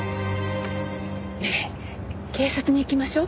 ねえ警察に行きましょう。